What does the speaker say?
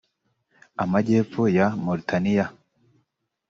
Amajyepfo ya Mauritania